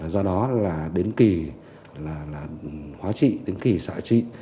do đó là đến kỳ hóa trị đến kỳ xạ trị